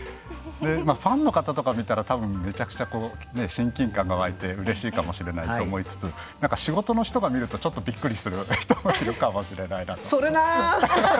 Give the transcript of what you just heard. ファンの方とかが見たら多分、めちゃくちゃ親近感が湧いてうれしいかもしれないと思いつつ仕事の人が見るとちょっとびっくりする人もいるかもしれないなと。